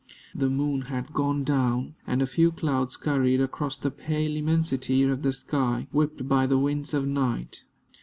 The moon had gone down, and a few clouds scurried across the pale immensity of the sky, whipped by the winds of night.